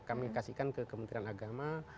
kami kasihkan ke kementerian agama